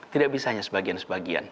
tidak bisa hanya sebagian sebagian